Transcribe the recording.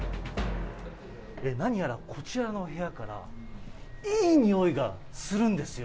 何やらこちらの部屋からいい匂いがするんですよ。